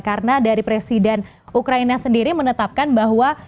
karena dari presiden ukraina sendiri menetapkan bahwa